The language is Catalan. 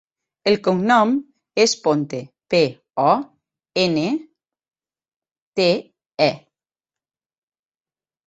El cognom és Ponte: pe, o, ena, te, e.